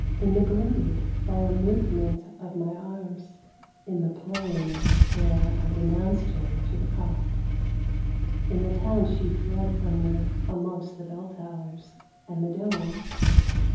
m the glade by a movement of mj arms ; in the plain, where I denounced to the cock. In the town she tied from me amongst the bell towers and the domes.